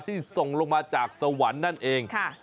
ส่งลงมาจากสวรรค์นั่นเอง